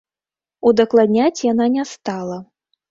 Удакладняць яна не стала.